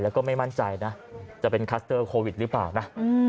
แล้วก็ไม่มั่นใจนะจะเป็นคลัสเตอร์โควิดหรือเปล่านะ